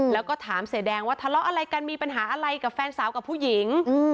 แล้วก็ถามเสียแดงว่าทะเลาะอะไรกันมีปัญหาอะไรกับแฟนสาวกับผู้หญิง